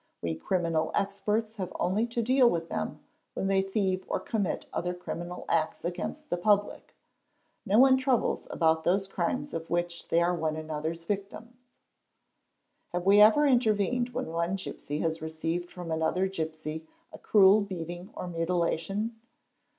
We criminal experts have only to deal with them when they thieve or commit other criminal acts against _ the public; no one troubles about those crimes of which they are one _ another's victims. Have we ever intervened when one gipsy has received from another gipsy a cruel beating or mutilation?